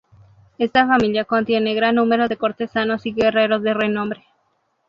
Esta familia contiene gran número de cortesanos y guerreros de renombre.